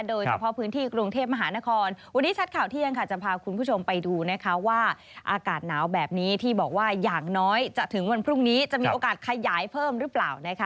โดยเฉพาะพื้นที่กรุงเทพมหานครวันนี้ชัดข่าวเที่ยงค่ะจะพาคุณผู้ชมไปดูนะคะว่าอากาศหนาวแบบนี้ที่บอกว่าอย่างน้อยจะถึงวันพรุ่งนี้จะมีโอกาสขยายเพิ่มหรือเปล่านะคะ